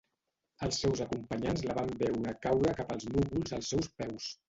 Els seus acompanyants la van veure caure cap als núvols als seus peus.